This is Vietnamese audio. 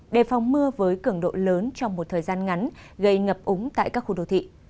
đề phòng mưa với cường độ lớn trong một thời gian ngắn gây ngập úng tại các khu đô thị